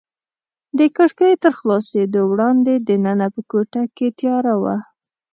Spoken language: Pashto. د کړکۍ تر خلاصېدو وړاندې دننه په کوټه کې تیاره وه.